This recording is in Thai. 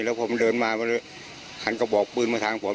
แล้วพอมันเดินมาก็เลยคันกระบอกปืนมาทางผม